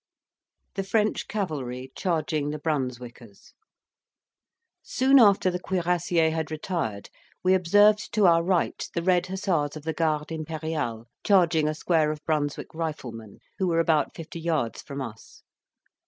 THE FRENCH CAVALRY CHARGING THE BRUNSWICKERS Soon after the cuirassiers had retired, we observed to our right the red hussars of the Garde Imperiale charging a square of Brunswick riflemen, who were about fifty yards from us.